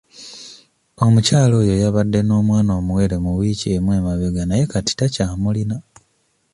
Omukyala oyo yabadde n'omwana omuwere mu wiiki emu emabega naye kati takyamulina